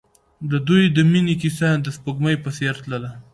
د دوی د مینې کیسه د سپوږمۍ په څېر تلله.